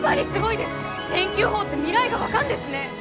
天気予報って未来が分かんですね！